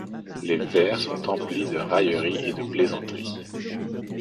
Les vers sont emplis de railleries et de plaisanteries.